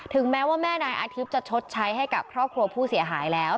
แม้ว่าแม่นายอาทิตย์จะชดใช้ให้กับครอบครัวผู้เสียหายแล้ว